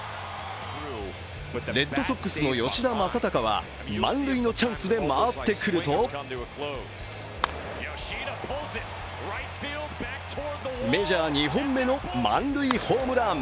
レッドソックスの吉田正尚は満塁のチャンスで回ってくるとメジャー２本目の満塁ホームラン。